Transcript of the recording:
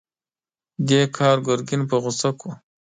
دې کار ګرګين په غوسه کړ.